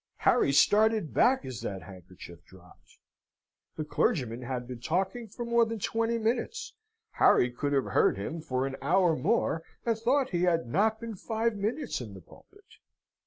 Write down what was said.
Harry started back as that handkerchief dropped. The clergyman had been talking for more than twenty minutes. Harry could have heard him for an hour more, and thought he had not been five minutes in the pulpit.